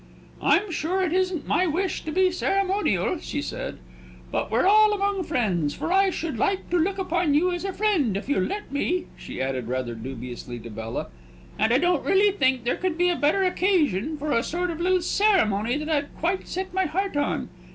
"I'm sure it isn't my wish to be ceremonial," she said; "but we're all among friends for I should like to look upon you as a friend, if you'll let me," she added rather dubiously, to Bella. "And I don't really think there could be a better occasion for a sort of little ceremony that I've quite set my heart on.